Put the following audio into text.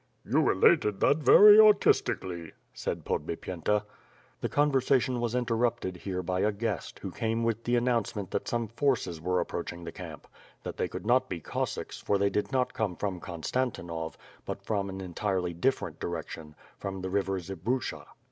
"You related that very artistically," said Podbipyenta. The conversation was interrupted here by a guest, who came with the announcement that some forces were approach ing the camp; that they could not be Cossacks, for they did not come from Konstantinov, but from an entirely different direction, from the River Zbrucha.